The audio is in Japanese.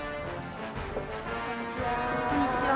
こんにちは。